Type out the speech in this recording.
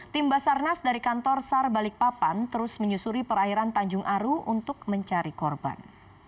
tim basarnas dari kantor sar balikpapan terus menyusuri perairan tanjung aru untuk mencari korban